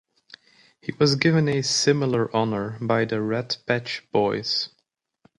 He was given a similar honour by the Red Patch Boys.